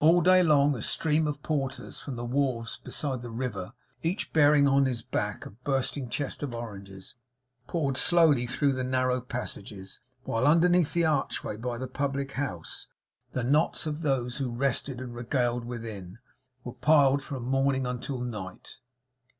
All day long, a stream of porters from the wharves beside the river, each bearing on his back a bursting chest of oranges, poured slowly through the narrow passages; while underneath the archway by the public house, the knots of those who rested and regaled within, were piled from morning until night.